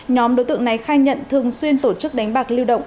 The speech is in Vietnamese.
nhóm đối tượng này khai nhận thường xuyên tổ chức đánh bạc lưu động